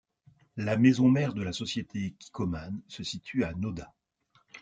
La maison mère de la société Kikkoman se situent à Noda.